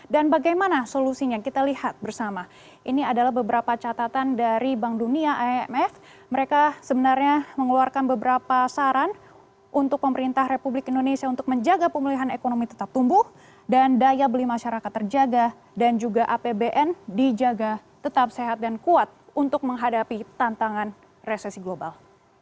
dan bagaimana solusinya kita lihat bersama ini adalah beberapa catatan dari bank dunia amf mereka sebenarnya mengeluarkan beberapa saran untuk pemerintah republik indonesia untuk menjaga pemulihan ekonomi tetap tumbuh dan daya beli masyarakat terjaga dan juga apbn dijaga tetap sehat dan kuat untuk menghadapi tantangan resesi global